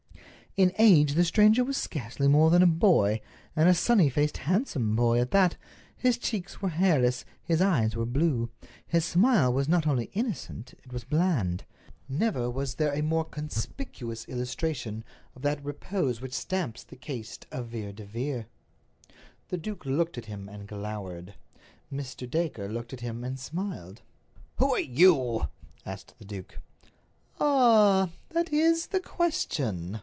In age the stranger was scarcely more than a boy, and a sunny faced, handsome boy at that. His cheeks were hairless, his eyes were blue. His smile was not only innocent, it was bland. Never was there a more conspicuous illustration of that repose which stamps the caste of Vere de Vere. The duke looked at him and glowered. Mr. Dacre looked at him and smiled. "Who are you?" asked the duke. "Ah—that is the question!"